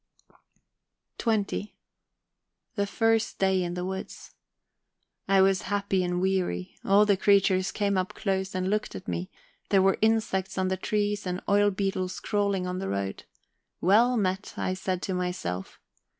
XX The first day in the woods. I was happy and weary; all the creatures came up close and looked at me; there were insects on the trees and oil beetles crawling on the road. Well met! I said to myself.